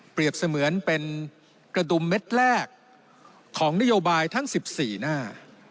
เสมือนเป็นกระดุมเม็ดแรกของนโยบายทั้ง๑๔หน้า